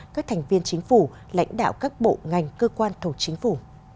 các thành viên chính phủ lãnh đạo các bộ ngành cơ quan thổ chính phủ